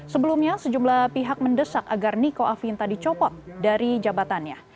sebelumnya sejumlah pihak mendesak agar niko afinta dicopot dari jabatannya